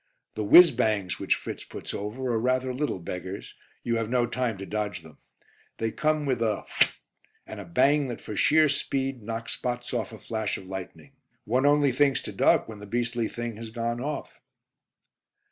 The "whizz bangs" which Fritz puts over are rather little beggars; you have no time to dodge them. They come with a "phut" and a bang that for sheer speed knocks spots off a flash of lightning. One only thinks to duck when the beastly thing has gone off.